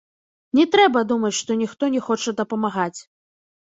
Не трэба думаць, што ніхто не хоча дапамагаць.